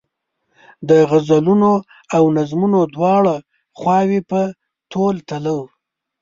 د غزلونو او نظمونو دواړه خواوې په تول تلو.